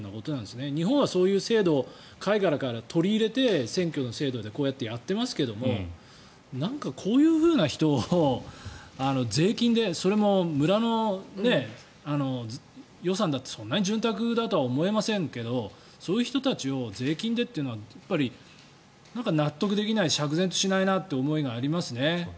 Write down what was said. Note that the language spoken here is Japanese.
日本はそういう制度を海外から取り入れて選挙の制度でこうやってやっていますがこういう人を税金でそれも村の予算だってそんなに潤沢だとは思えませんけどそういう人たちを税金でというのは納得できない釈然としないなという思いがありますね。